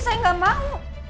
saya enggak mau